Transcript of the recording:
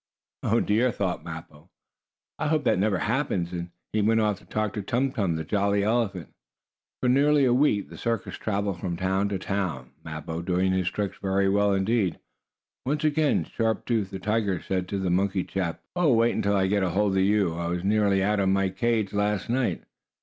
"Oh dear!" thought Mappo. "I hope that never happens!" and he went off to talk to Tum Tum, the jolly elephant. For nearly a week the circus traveled from town to town, Mappo doing his tricks very well indeed. Once again Sharp Tooth, the tiger, said to the monkey chap: "Oh, wait until I get hold of you. I was nearly out of my cage last night.